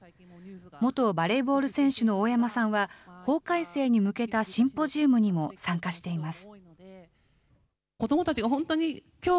元バレーボール選手の大山さんは、法改正に向けたシンポジウムにも参加しています。